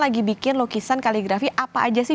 lagi bikin lukisan kaligrafi apa aja sih